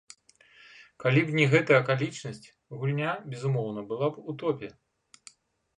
Калі б не гэта акалічнасць, гульня, безумоўна, была б у топе.